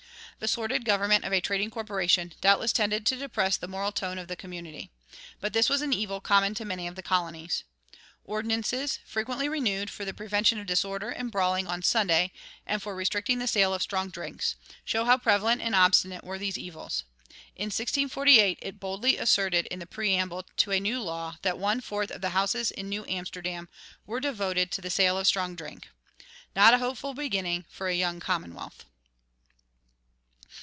The sordid government of a trading corporation doubtless tended to depress the moral tone of the community, but this was an evil common to many of the colonies. Ordinances, frequently renewed, for the prevention of disorder and brawling on Sunday and for restricting the sale of strong drinks, show how prevalent and obstinate were these evils. In 1648 it is boldly asserted in the preamble to a new law that one fourth of the houses in New Amsterdam were devoted to the sale of strong drink. Not a hopeful beginning for a young commonwealth.